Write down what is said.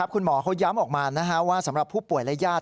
คุณหมอเขาย้ำออกมาว่าสำหรับผู้ป่วยและญาติ